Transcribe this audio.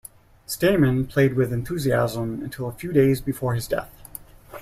Stayman played with enthusiasm until a few days before his death.